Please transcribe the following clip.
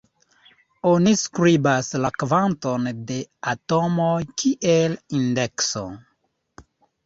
Oni skribas la kvanton de atomoj kiel indekso.